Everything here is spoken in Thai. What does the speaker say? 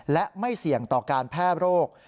และไม่เสี่ยงต่อการแพร่โรค